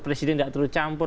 presiden tidak tercampur